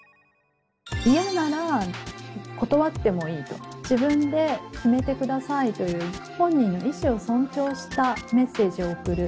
嫌なら断ってもいいと自分で決めてくださいという本人の意思を尊重したメッセージを送る。